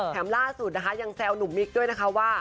ล่าสุดนะคะยังแซวหนุ่มมิกด้วยนะคะว่า